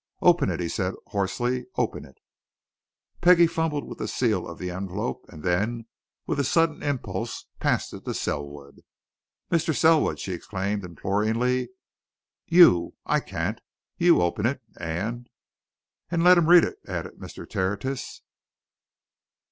"Open it!" he said hoarsely. "Open it!" Peggie fumbled with the seal of the envelope and then, with a sudden impulse, passed it to Selwood. "Mr. Selwood!" she exclaimed imploringly. "You I can't. You open it, and " "And let him read it," added Mr. Tertius.